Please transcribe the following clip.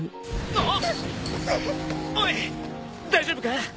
あっ。